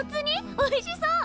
おいしそう！